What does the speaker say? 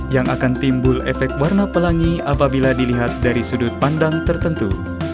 yang akan timbul efek warna pelangi apabila dilihat dari sudut pandang tertentu